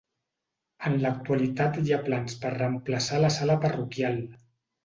En l'actualitat hi ha plans per reemplaçar la sala parroquial.